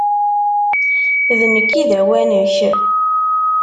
D nekk i d awanek!